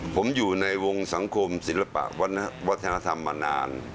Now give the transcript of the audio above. ผมอยู่ในวงสังคมศิลปะวัฒนธรรมมานาน